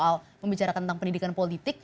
dan lebih banyak pembicaraan tentang pendidikan politik